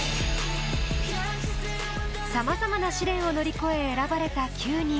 様々な試練を乗り越え選ばれた９人。